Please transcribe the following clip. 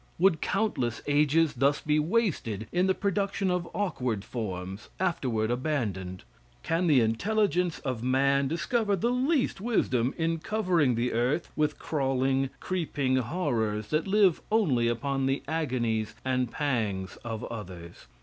Would countless ages thus be wasted in the production of awkward forms, afterward abandoned? Can the intelligence of man discover the least wisdom in covering the earth with crawling, creeping horrors, that live only upon the agonies and pangs of others?